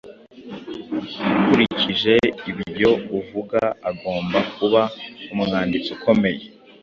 Ukurikije ibyo uvuga, agomba kuba umwanditsi ukomeye.